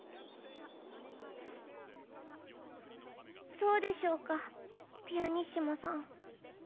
そうでしょうかピアニッシモさん。